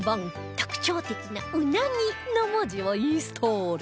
特徴的な「うなぎ」の文字をインストール